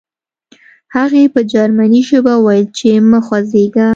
هغې په جرمني ژبه وویل چې مه خوځېږه